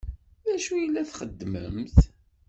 D acu i la txeddmemt?